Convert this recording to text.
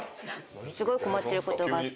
すごい困ってることがあって。